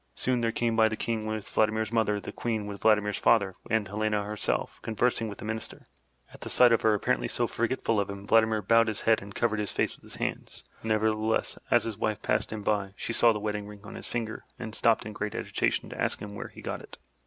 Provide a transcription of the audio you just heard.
Soon there came by the King with Vladimir's mother, the Queen with Vladimir's father, and Helena herself, conversing with the Minister. At sight of her, apparently so forgetful of him, Vladimir bowed his head and covered his face with his hands. Nevertheless, as his wife passed him by, she saw the wedding ring on his finger and stopped in great agitation to ask him where he got it.